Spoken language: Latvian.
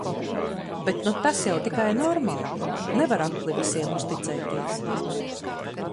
Bet nu tas jau tikai normāli, nevar akli visiem uzticēties.